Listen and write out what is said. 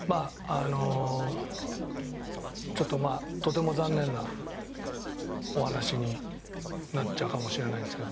あのちょっととても残念なお話になっちゃうかもしれないんですけど。